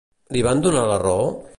Li van donar la raó?